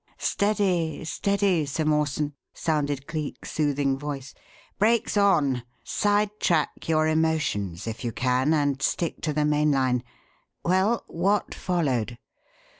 "Steady, steady, Sir Mawson!" sounded Cleek's soothing voice. "Brakes on! Sidetrack your emotions if you can and stick to the mainline! Well, what followed?"